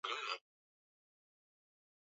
Benki hiyo kwa sasa inafanya utafiti wa awali